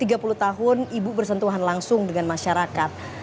ibu kembali ke tiga puluh tahun ibu bersentuhan langsung dengan masyarakat